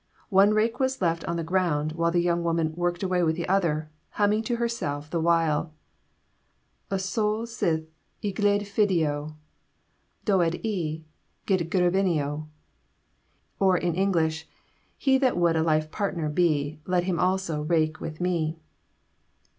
One rake was left on the ground while the young woman worked away with the other, humming to herself the while, Y sawl sydd i gydfydio, Doed i gydgribinio! Or in English: He that would a life partner be, Let him also rake with me.